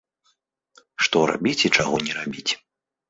Што рабіць і чаго не рабіць.